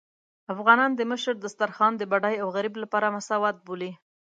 افغانان د مشر دسترخوان د بډای او غريب لپاره مساوات بولي.